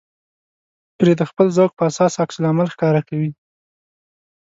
پرې د خپل ذوق په اساس عکس العمل ښکاره کوي.